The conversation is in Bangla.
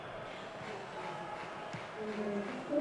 জগতে দুই প্রকার লোক দেখিতে পাওয়া যায়।